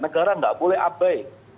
negara tidak boleh abai